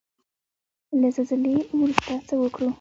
له زلزلې وروسته څه وکړو؟